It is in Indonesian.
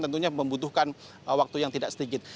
tentunya membutuhkan waktu yang tidak sedikit